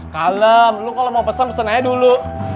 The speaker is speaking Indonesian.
kalem lo kalo mau pesan pesannya dulu